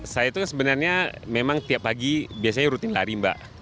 saya itu sebenarnya memang tiap pagi biasanya rutin lari mbak